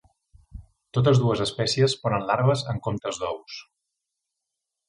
Totes dues espècies ponen larves en comptes d'ous.